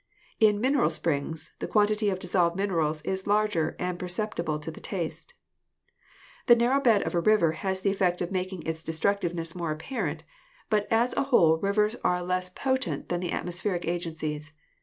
In 'mineral springs' the quantity of dissolved materials is larger and perceptible to the taste. The narrow bed of a river has the effect of making its \destructiveness more apparent, but as a whole rivers are DESTRUCTIVE AGENCIES 139 less potent than the atmospheric agencies.